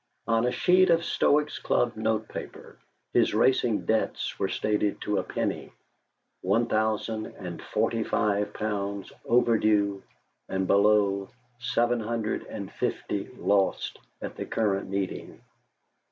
On a sheet of Stoics' Club note paper his racing debts were stated to a penny one thousand and forty five pounds overdue, and below, seven hundred and fifty lost at the current meeting.